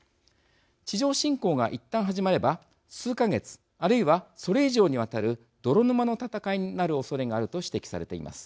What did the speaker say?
地上侵攻が、いったん始まれば数か月、あるいはそれ以上にわたる泥沼の戦いになるおそれがあると指摘されています。